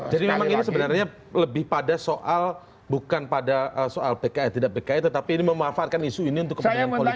jadi memang ini sebenarnya lebih pada soal bukan pada soal pki tidak pki tetapi ini memanfaatkan isu ini untuk kepentingan politik